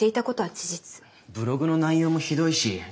ブログの内容もひどいし。